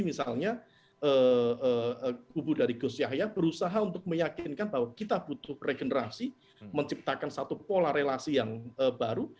misalnya kubu dari gus yahya berusaha untuk meyakinkan bahwa kita butuh regenerasi menciptakan satu pola relasi yang baru